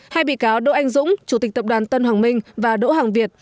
hai bị cáo đỗ anh dũng chủ tịch tập đoàn tân hoàng minh và đỗ hàng việt